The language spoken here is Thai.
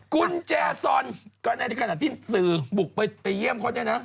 กุญแจซอนก็ในขณะที่สื่อบุกไปเยี่ยมเขาเนี่ยนะ